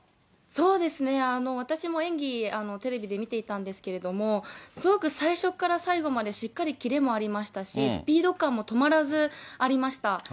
そうですね、私も演技、テレビで見ていたんですけど、すごく最初から最後までしっかりキレもありましたし、スピード感も止まらずありました。